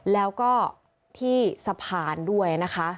แล้วก็ที่สะพานด้วยนะคะ